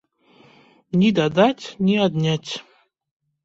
Ні дадаць, ні адняць.